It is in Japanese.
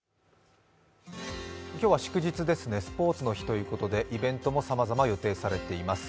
今日は祝日ですねスポーツの日ということでイベントもさまざま予定されています。